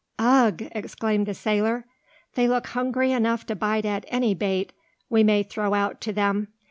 "Ugh!" exclaimed the sailor; "they look hungry enough to bite at any bait we may throw out to them.